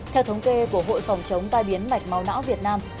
theo thống kê của hội phòng chống tai biến mạch máu não việt nam